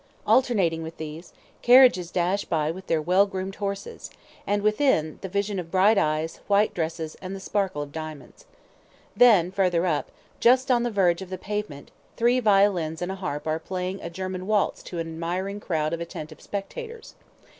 Alternating with these, carriages dash along with their well groomed horses, and within, the vision of bright eyes, white dresses, and the sparkle of diamonds. Then, further up, just on the verge of the pavement, three violins and a harp are playing a German waltz to an admiring crowd of attentive spectators.